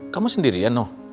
kamu sendiri ya noh